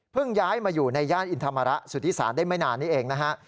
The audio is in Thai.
ย้ายมาอยู่ในย่านอินธรรมระสุธิศาลได้ไม่นานนี้เองนะฮะ